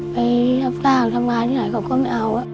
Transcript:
ไปรับจ้างทำงานที่ไหนเขาก็ไม่เอา